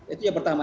itu yang pertama